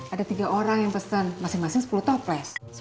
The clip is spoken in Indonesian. ada tiga orang yang pesan masing masing sepuluh toples